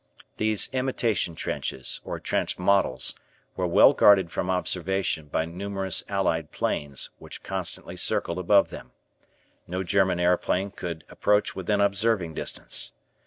These imitation trenches, or trench models, were well guarded from observation by numerous allied planes which constantly circled above them. No German aeroplane could approach within observing distance.